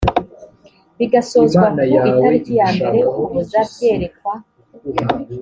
bigasozwa ku itariki ya mbere ukuboza byerekwa